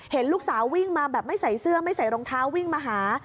เห็นลูกสาววิ่งมาแบบไม่ใส่เสื้อไม่ใส่รองเท้าวิ่งมาหา